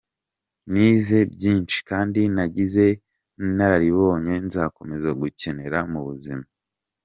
Nize byinshi kandi nagize inararibonye nzakomeza gukenera mu buzima.